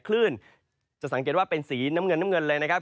คลื่นจะสังเกตว่าเป็นสีน้ำเงินน้ำเงินเลยนะครับ